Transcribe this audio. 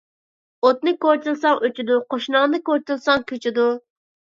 ئوتنى كوچىلىساڭ ئۆچىدۇ، قوشناڭنى كوچىلىساڭ كۆچىدۇ.